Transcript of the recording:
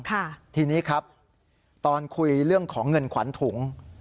ทีนี้ครับตอนคุยเรื่องของเงินขวัญถุง